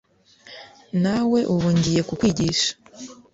nawe ubu ngiye kukwigisha